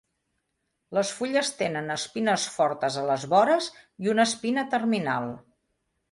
Les fulles tenen espines fortes a les vores i una espina terminal.